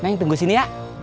neng tunggu sini ya